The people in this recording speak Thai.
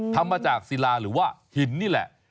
ทำมาจากศิลาหรือว่าหินนี่แหละ